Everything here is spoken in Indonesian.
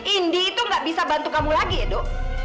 indi itu gak bisa bantu kamu lagi edo